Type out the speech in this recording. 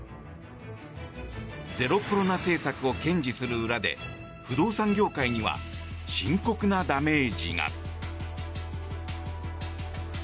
ゼロコロナ政策を堅持する裏で不動産業界には深刻なダメージが。